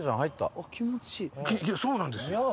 いやそうなんです。